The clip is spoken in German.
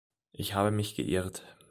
Ich habe mich geirrt.